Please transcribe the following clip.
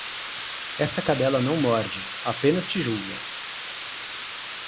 Esta cadela não morde, apenas te julga